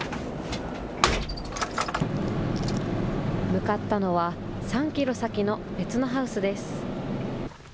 向かったのは、３キロ先の別のハウスです。